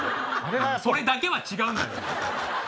それだけは違うんだよ。